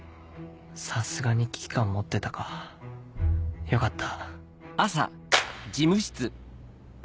さすがに危機感持ってたかよかった